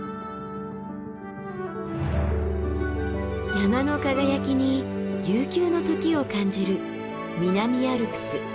山の輝きに悠久の時を感じる南アルプス光岳です。